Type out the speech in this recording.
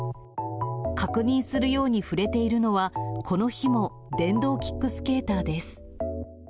確認するように触れているのは、この日も電動キックスケーターです。